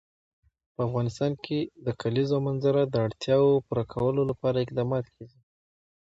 په افغانستان کې د کلیزو منظره د اړتیاوو پوره کولو لپاره اقدامات کېږي.